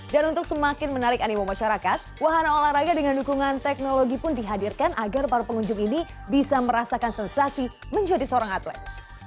dan untuk semakin menarik animum masyarakat wahana olahraga dengan dukungan teknologi pun dihadirkan agar para pengunjung ini bisa merasakan sensasi menjadi seorang atlet